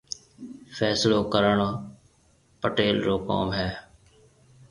فيصلو ڪرڻ پيٽل رو ڪوم هيَ۔